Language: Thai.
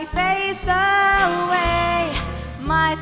สวัสดีวันนี้ใหม่เธอ